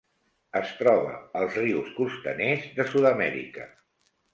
Es troba als rius costaners de Sud-amèrica.